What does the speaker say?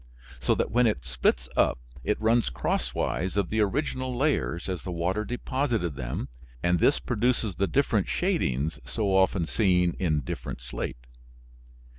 So that when it splits up it runs crosswise of the original layers as the water deposited them, and this produces the different shadings so often seen in different slate.